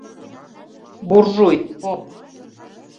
Буржуй, поп